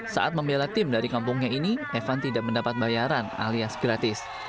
saat membela tim dari kampungnya ini evan tidak mendapat bayaran alias gratis